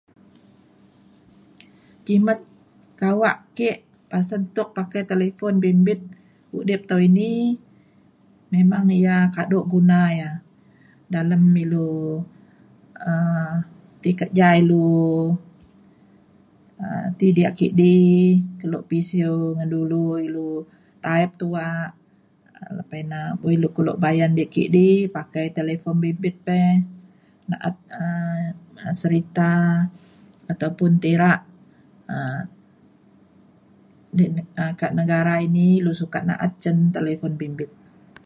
kimet kawak ke' pasen tuk pakai telipun bimbit udip tau ini memang ya kaduk guna ya dalem ilu um ti kerja ilu um ti diak kidi keluk pisiu ngan dulu ilu taip tuak um lepa ena bo' ilu keluk bayan diak kidi pakai telefon bimbit pey na'at um na'at serita atau pun terak um di ke' negara ini ilu sukat na'at cen telefon bimbit.